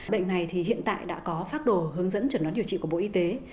bệnh này thì hiện tại đã có phác đồ hướng dẫn chuẩn đoán điều trị của bộ y tế